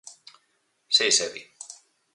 Si, Sevi.